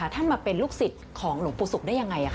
ท่านมาเป็นลูกศิษย์ของหลวงปู่ศุกร์ได้ยังไง